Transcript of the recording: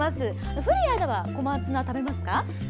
古谷アナは小松菜、食べますか？